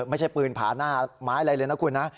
ไม่ใช่ปืนผาหน้าไม้อะไรเลยนะคุณนะ